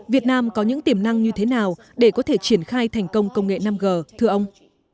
việt nam có những tiềm năng như thế nào để có thể triển khai thành công công nghệ năm g thưa ông